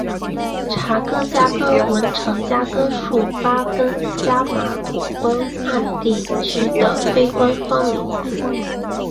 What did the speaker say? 查哥加哥文程加哥术巴根加马古东岸地区的非官方名字。